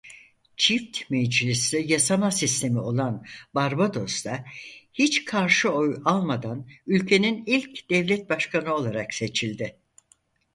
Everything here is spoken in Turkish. Çift meclisli yasama sistemi olan Barbados'da hiç karşı oy almadan ülkenin ilk devlet başkanı olarak seçildi.